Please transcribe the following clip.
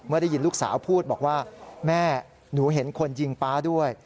ได้ยินลูกสาวพูดบอกว่าแม่หนูเห็นคนยิงป๊าด้วย